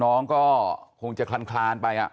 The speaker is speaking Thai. น้องก็คงจะคลานไป